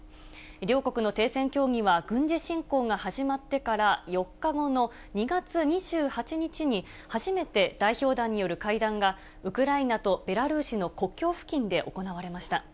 両国の停戦協議は、軍事侵攻が始まってから４日後の２月２８日に初めて代表団による会談がウクライナとベラルーシの国境付近で行われました。